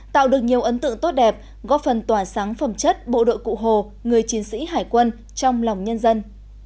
tạo được nhiều ấn tượng tốt đẹp góp phần tỏa sáng phẩm chất bộ đội cụ hồ người chiến sĩ hải quân trong lòng nhân dân